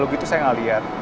kalau gitu saya gak liat